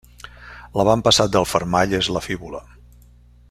L'avantpassat del fermall és la fíbula.